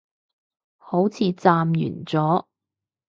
好似暫完咗